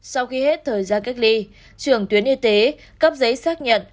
sau khi hết thời gian cách ly trưởng tuyến y tế cấp giấy xác nhận